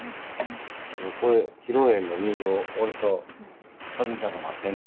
これ披露宴の入場俺と一美ちゃんと待ってんの？